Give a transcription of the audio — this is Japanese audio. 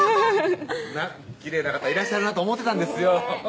きれいな方いらっしゃるなと思ってたんですよ